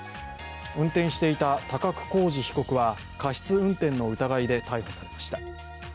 運転していた高久浩二被告は、過失運転の疑いで逮捕されました。